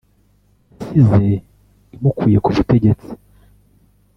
yasize imukuye ku butegetsi